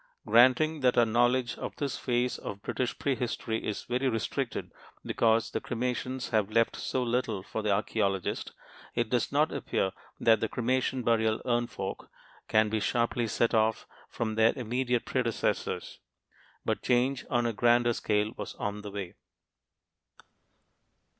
Granting that our knowledge of this phase of British prehistory is very restricted because the cremations have left so little for the archeologist, it does not appear that the cremation burial urn folk can be sharply set off from their immediate predecessors. But change on a grander scale was on the way.